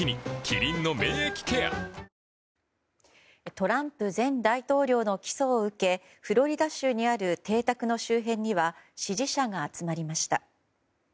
トランプ前大統領の起訴を受けフロリダ州にある邸宅の周辺には支持者が集まりました。